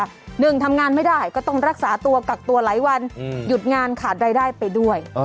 หนึ่งทำงานไม่ได้ก็ต้องรักษาตัวกักตัวหลายวันหยุดงานขาดรายได้ไปด้วย